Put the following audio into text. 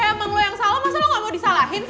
ya emang lo yang salah masa lo gak mau disalahin sih